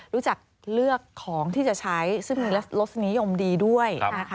รู้จักเลือกของที่จะใช้ซึ่งมีรสนิยมดีด้วยนะคะ